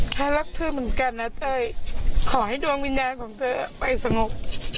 รักเธอเหมือนกันนะเต้ยขอให้ดวงวิญญาณของเธอไปสงบ